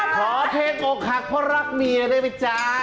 ขอเทคอกหักเพราะรักเมียได้มั้ยจ๊ะ